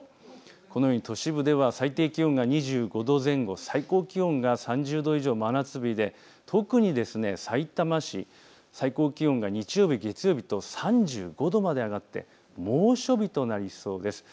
このように都市部では最低気温が２５度前後、最高気温が３０度以上、真夏日で特にさいたま市、最高気温が日曜日、月曜日と３５度まで上がって猛暑日となりそうです。